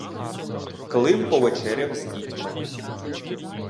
Клим повечеряв з дітьми.